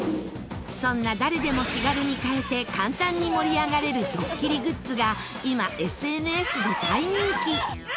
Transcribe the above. そんな誰でも気軽に買えて簡単に盛り上がれるドッキリグッズが今ＳＮＳで大人気。